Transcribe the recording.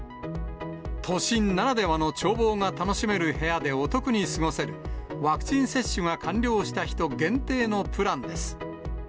都心ならではの眺望が楽しめる部屋でお得に過ごせる、ワクチン接種が完了した人限定のプランです。